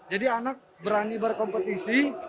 jadi anak berani berkompetisi